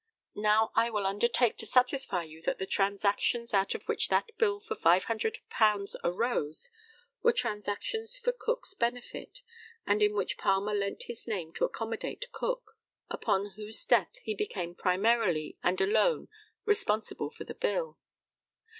Now I will undertake to satisfy you that the transactions out of which that bill for £500 arose were transactions for Cook's benefit, and in which Palmer lent his name to accommodate Cook, upon whose death he became primarily and alone responsible for the bill.